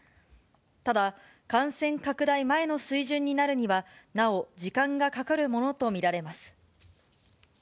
ただ、感染拡大前の水準になるには、なお時間がかかるものと見られます。